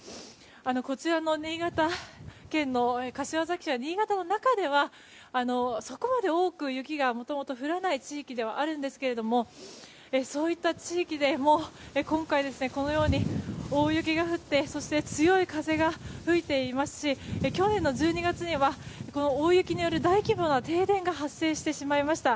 こちらの新潟県柏崎市は新潟の中ではそこまで大雪がもともと降らない地域ではあるんですけどそういった地域でも今回、このように大雪が降って強い風が吹いていますし去年の１２月には大雪による大規模な停電が発生してしまいました。